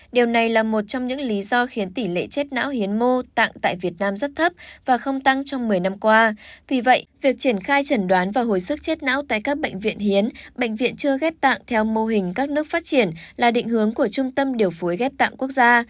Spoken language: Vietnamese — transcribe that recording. đây là định hướng của trung tâm điều phối ghép tạng quốc gia